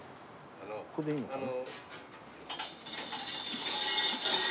ここでいいのかな？